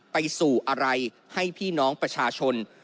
ไปสู่อะไรให้พี่น้องประชาชน